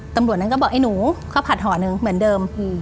ตำรวจนั้นก็บอกไอ้หนูข้าวผัดห่อหนึ่งเหมือนเดิม